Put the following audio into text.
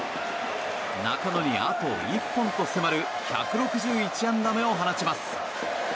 中野にあと１本と迫る１６１安打目を放ちます。